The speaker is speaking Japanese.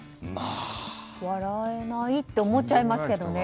笑えないって思っちゃいますけどね。